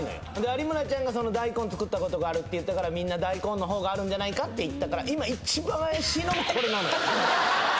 有村ちゃんが大根作ったことがあるって言ったからみんな大根の方があるんじゃないかって言ったから今一番怪しいのもこれなのよ！